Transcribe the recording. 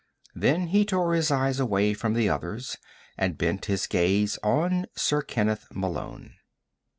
Then he tore his eyes away from the others, and bent his gaze on Sir Kenneth Malone.